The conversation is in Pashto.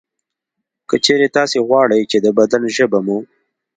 که چېرې تاسې غواړئ چې د بدن ژبه مو